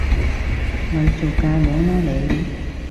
咪做架樑啦你！